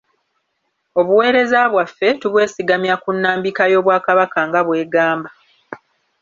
Obuweereza bwaffe tubwesigamya ku nnambika y’Obwakabaka nga bw’egamba.